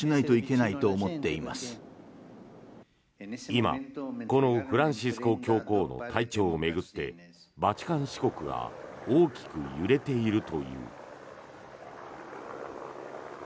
今、このフランシスコ教皇の体調を巡ってバチカン市国が大きく揺れているという。